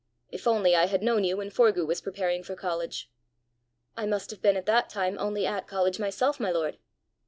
If only I had known you when Forgue was preparing for college!" "I must have been at that time only at college myself, my lord!"